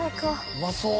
うまそう！